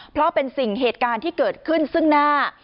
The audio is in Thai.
เพราะเป็นสิ่งเหตุการณ์ที่เกิดขึ้นซึ่งหน้า